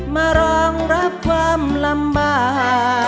มารองรับความลำบาก